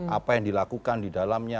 apa yang dilakukan di dalamnya